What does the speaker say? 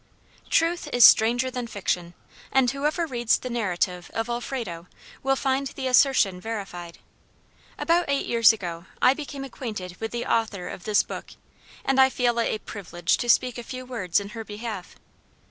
"TRUTH is stranger than fiction;" and whoever reads the narrative of Alfrado, will find the assertion verified. About eight years ago I became acquainted with the author of this book, and I feel it a privilege to speak a few words in her behalf.